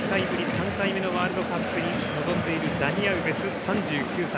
３回目のワールドカップに臨んでいるダニ・アウベス、３９歳。